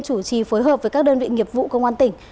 chủ trì phối hợp với các đơn vị nghiệp vụ công an tỉnh